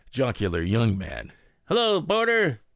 Jocular Young Man. "Hillol porter!"